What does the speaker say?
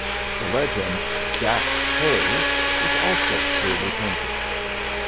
The legend "Jacks pay" was also clearly painted.